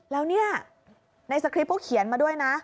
แล้วนี่ในสคริปท์พวกเขียนมาด้วยนะ